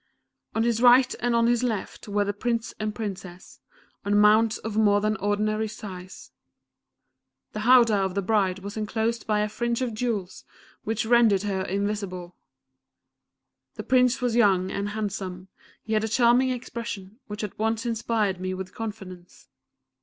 On his right and on his left were the Prince and Princess, on mounts of more than ordinary size. The howdah of the Bride was enclosed by a fringe of jewels which rendered her invisible. The Prince was young and handsome; he had a charming expression, which at once inspired me with confidence.